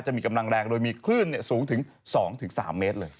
จะมีกำลังแรงโดยมีคลื่นสูงถึง๒๓เมตรเลย